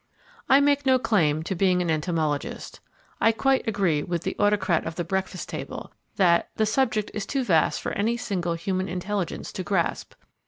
I make no claim to being an entomologist; I quite agree with the "Autocrat of the Breakfast Table", that "the subject is too vast for any single human intelligence to grasp."